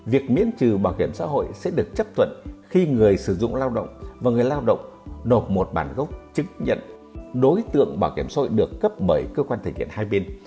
việc miễn trừ bảo hiểm xã hội sẽ được chấp thuận khi người sử dụng lao động và người lao động nộp một bản gốc chứng nhận đối tượng bảo hiểm xã hội được cấp bởi cơ quan thực hiện hai bên